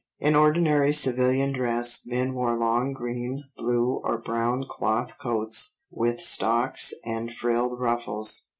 In ordinary civilian dress, men wore long green, blue, or brown cloth coats with stocks and frilled ruffles.